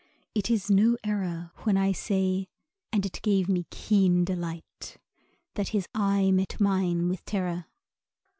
It is no error When I say (and it gave me keen delight) That his eye met mine with terror.